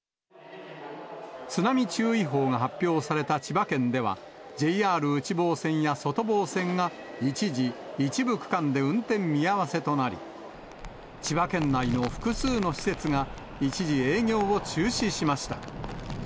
津波注意報が発表された千葉県では、ＪＲ内房線や外房線が一時、一部区間で運転見合わせとなり、千葉県内の複数の施設が一時営業を中止しました。